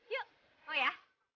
yuk oh ya